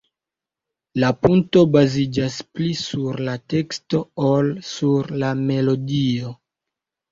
La "punto" baziĝas pli sur la teksto ol sur la melodio.